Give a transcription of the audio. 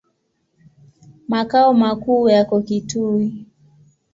Makao makuu yako Kitui.